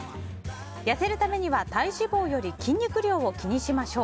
痩せるためには体脂肪より筋肉量を気にしましょう。